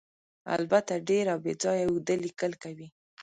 البته ډېر او بې ځایه اوږده لیکل کوي.